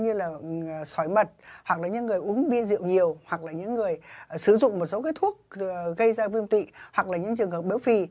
như là sỏi mật hoặc là những người uống bia rượu nhiều hoặc là những người sử dụng một số cái thuốc gây ra viêm tụy hoặc là những trường hợp béo phì